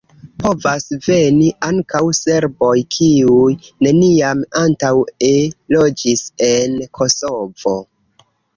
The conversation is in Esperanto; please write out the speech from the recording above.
Povas veni ankaŭ serboj, kiuj neniam antaŭe loĝis en Kosovo.